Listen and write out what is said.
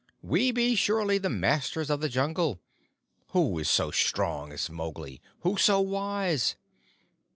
"We be surely the Masters of the Jungle! Who is so strong as Mowgli? Who so wise?"